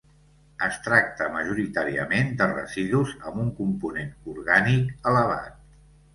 Es tracta majoritàriament de residus amb un component orgànic elevat.